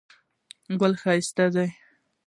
ګل ښایسته دی.